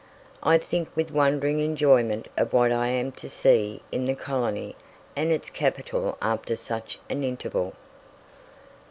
I think with wondering enjoyment of what I am to see in the colony and its capital after such an interval.